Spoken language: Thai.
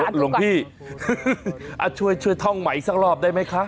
โอ้ยลงพี่ช่วยช่วยท่องใหม่อีกสักรอบได้ไหมคะ